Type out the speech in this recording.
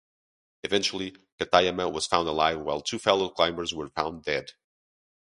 Eventually, Katayama was found alive while two fellow climbers were found dead.